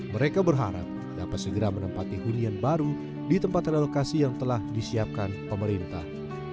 mereka berharap dapat segera menempati hunian baru di tempat relokasi yang telah disiapkan pemerintah